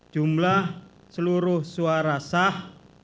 jumlah seluruh suara sah